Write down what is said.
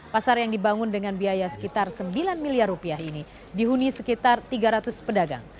pasar yang dibangun dengan biaya sekitar sembilan miliar rupiah ini dihuni sekitar tiga ratus pedagang